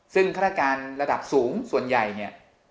ซึ่งฆาตการระดับสูงส่วนใหญ่เนี่ย